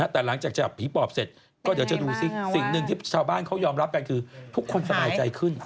แต่หลังจากจับผีปอบเสร็จก็เดี๋ยวจะดูสิสิ่งหนึ่งที่ชาวบ้านเขายอมรับกันคือทุกคนสบายใจขึ้น